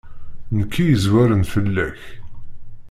Nekk i yezwaren fell-ak.